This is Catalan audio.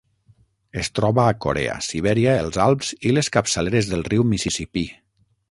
Es troba a Corea, Sibèria, els Alps i les capçaleres del riu Mississipí.